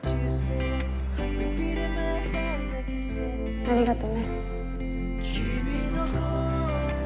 ありがとね。